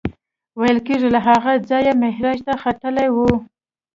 ویل کېږي له هغه ځایه معراج ته ختلی و.